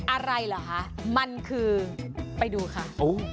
อะไรเหรอคะมันคือไปดูค่ะ